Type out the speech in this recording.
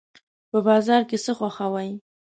په بازار کې څه خوښوئ؟